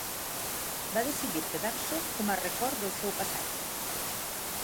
Va decidir quedar-s'ho com a record del seu passat.